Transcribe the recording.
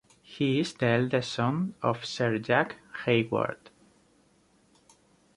He is the eldest son of Sir Jack Hayward.